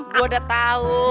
gue udah tahu